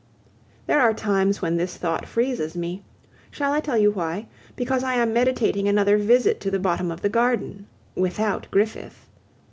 There are times when this thought freezes me. Shall I tell you why? Because I am meditating another visit to the bottom of the garden without Griffith.